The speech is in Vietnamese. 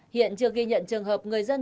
hiện chưa ghi nhận trường hợp người dân